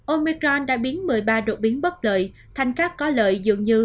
omecron đã biến một mươi ba đột biến bất lợi thành các có lợi dường như